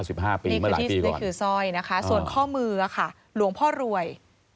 เมื่อหลายปีก่อนอันนี้คือซอยนะคะส่วนข้อมืออะค่ะหลวงพ่อรวย